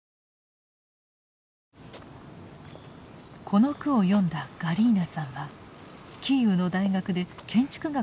この句を詠んだガリーナさんはキーウの大学で建築学を教えています。